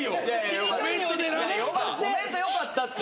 「コメント」よかったって！